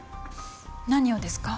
何をですか？